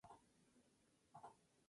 Alcaldes de Cayey